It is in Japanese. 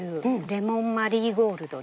レモンマリーゴールド？